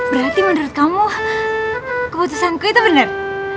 berarti menurut kamu keputusan ku itu bener